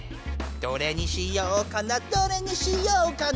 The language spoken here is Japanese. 「どれにしようかなどれにしようかな」